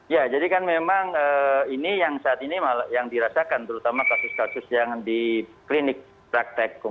ya jadi kan memang ini yang saat ini yang dirasakan terutama kasus kasus yang di klinik praktek